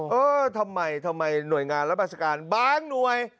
เออทำไมทำไมหน่วยงานราชการบางหน่วย